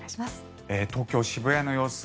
東京・渋谷の様子。